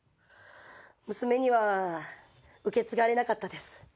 娘には受け継がれなかったです。